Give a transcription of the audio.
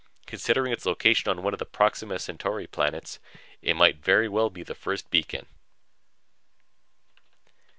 Considering its location on one of the Proxima Centauri planets, it might very well be the first beacon."